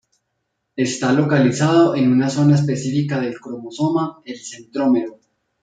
Está localizado en una zona específica del cromosoma, el centrómero.